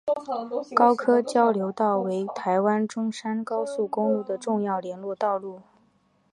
高科交流道为台湾中山高速公路的重要联络道路。